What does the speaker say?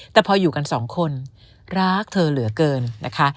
แต่พออยู่กันสองคนรักเธอเหลือเกินนะคะ